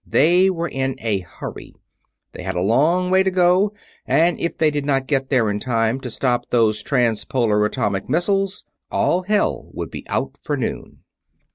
They were in a hurry. They had a long way to go; and if they did not get there in time to stop those trans polar atomic missiles, all hell would be out for noon.